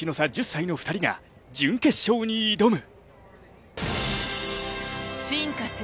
１０歳の２人が準決勝に挑む。